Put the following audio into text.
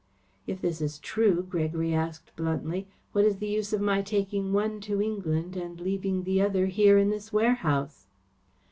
"If this is true," Gregory asked bluntly, "what is the use of my taking one to England and leaving the other here in this warehouse?"